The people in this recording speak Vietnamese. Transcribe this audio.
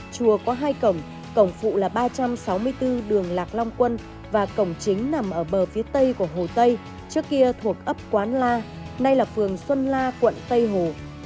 chùa có hai cổng cổng phụ là ba trăm sáu mươi bốn đường lạc long quân và cổng chính nằm ở bờ phía tây của hồ tây trước kia thuộc ấp quán la nay là phường xuân la quận tây hồ